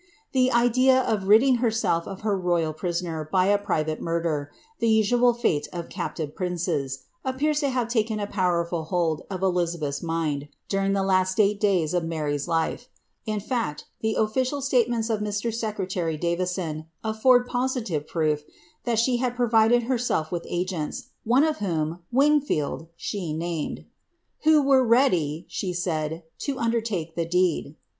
' le idea of ridding herself of her royal prisoner by a private murder, soal fate of captive princes, appears to have taken a powerful hold lizabeth's mind, during the last eight days of Mary's life. In fact, >fficial statements of Mr. Secretary Davison, afford positive proof ihe had provided herself with agents, one of whom, Wingfield, she id, who were ready," she said, " to undertake the deed."